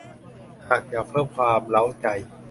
หากอยากเพิ่มความเร้าใจ